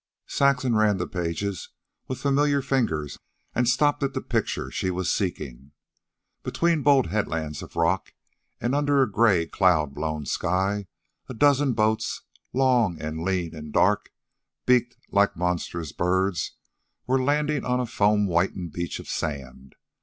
Saxon ran the pages with familiar fingers and stopped at the picture she was seeking. Between bold headlands of rock and under a gray cloud blown sky, a dozen boats, long and lean and dark, beaked like monstrous birds, were landing on a foam whitened beach of sand.